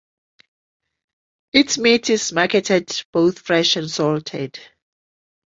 Its meat is marketed both fresh and salted.